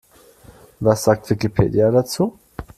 Was sagt Wikipedia dazu?